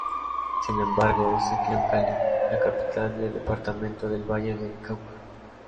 Sin embargo, se crio en Cali, la capital del departamento del Valle del Cauca.